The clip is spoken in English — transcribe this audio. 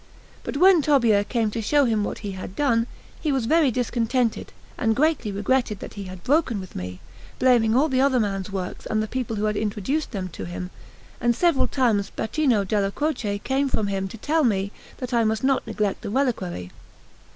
But when Tobbia came to show him what he had done, he was very discontented, and greatly regretted that he had broken with me, blaming all the other man's works and the people who had introduced them to him; and several times Baccino della Croce came from him to tell me that I must not neglect the reliquary.